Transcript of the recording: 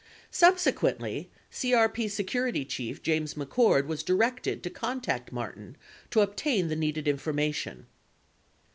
10 Subsequently, CRP security chief James McCord was directed to contact Martin to obtain the needed informa tion.